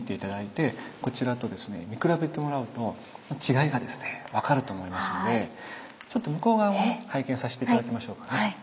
見比べてもらうと違いがですね分かると思いますのでちょっと向こう側を拝見させて頂きましょうかね。